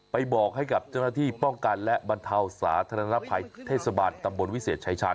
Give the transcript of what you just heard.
บอกให้กับเจ้าหน้าที่ป้องกันและบรรเทาสาธารณภัยเทศบาลตำบลวิเศษชายชาญ